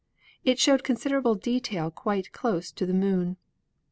It showed considerable detail quite close to the Moon."